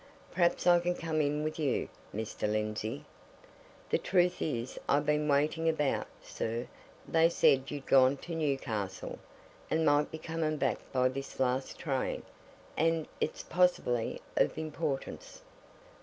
Perhaps I can come in with you, Mr. Lindsey? the truth is, I've been waiting about, sir they said you'd gone to Newcastle, and might be coming back by this last train. And it's possibly of importance."